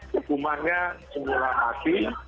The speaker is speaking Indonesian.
hukumannya semula mati